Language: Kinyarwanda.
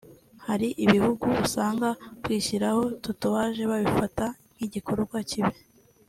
Hari ibihugu usanga kwishyiraho tatouage babifata nk’igikorwa kibi